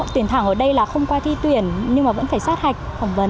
tuyển thẳng ở đây là không qua thi tuyển nhưng mà vẫn phải sát hạch phỏng vấn